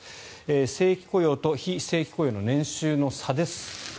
正規雇用と非正規雇用の年収の差です。